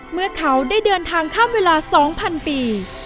เมื่อเขาได้เดินทางข้ามเวลา๒๐๐๐ปี